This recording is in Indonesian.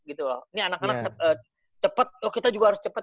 ini anak anak cepet kita juga harus cepet